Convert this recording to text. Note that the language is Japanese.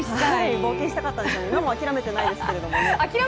冒険したかったんですよ、今もまだ諦めてないですけどね。